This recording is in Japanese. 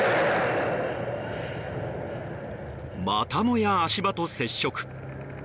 またもや足場と接触。